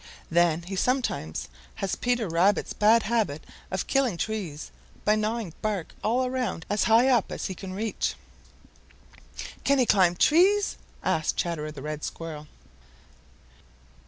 Then he sometimes has Peter Rabbit's bad habit of killing trees by gnawing bark all around as high up as he can reach." "Can he climb trees?" asked Chatterer the Red Squirrel.